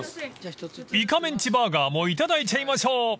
［イカメンチバーガーもいただいちゃいましょう］